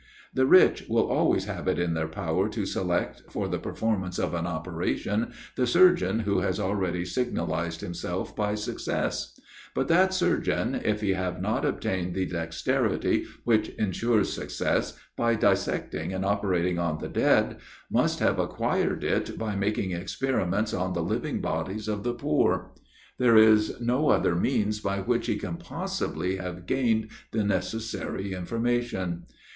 The rich will always have it in their power to select, for the performance of an operation, the surgeon who has already signalized himself by success: but that surgeon, if he have not obtained the dexterity which ensures success, by dissecting and operating on the dead, must have acquired it by making experiments on the living bodies of the poor. There is no other means by which he can possibly have gained the necessary information.